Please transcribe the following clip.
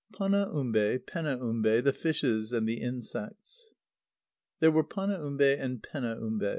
Panaumbe, Penaumbe, the Fishes, and the Insects. There were Panaumbe and Penaumbe.